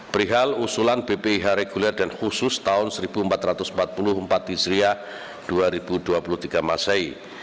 perihal usulan bpih reguler dan khusus tahun seribu empat ratus empat puluh empat hijriah dua ribu dua puluh tiga masai